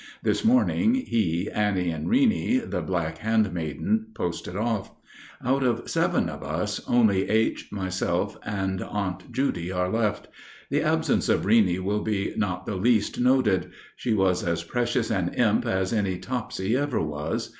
This morning he, Annie, and Reeney, the black handmaiden, posted off. Out of seven of us only H., myself, and Aunt Judy are left. The absence of Reeney will be not the least noted. She was as precious an imp as any Topsy ever was.